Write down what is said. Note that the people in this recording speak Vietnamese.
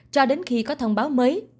cho đến khi có thông báo mới